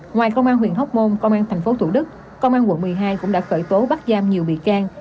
ngoài công an huyện hóc môn công an tp thủ đức công an quận một mươi hai cũng đã khởi tố bắt giam nhiều bị can